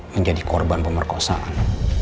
menjadi korban pemerkosaan